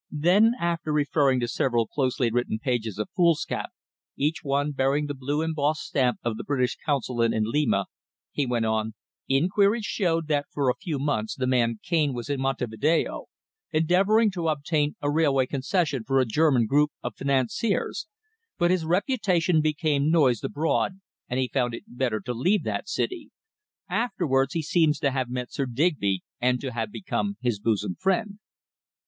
Then, after referring to several closely written pages of foolscap, each one bearing the blue embossed stamp of the British Consulate in Lima, he went on: "Inquiries showed that for a few months the man Cane was in Monte Video, endeavouring to obtain a railway concession for a German group of financiers, but his reputation became noised abroad and he found it better to leave that city. Afterwards he seems to have met Sir Digby and to have become his bosom friend."